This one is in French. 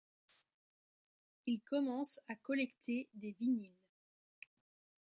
Il commence à collecter des vinyles.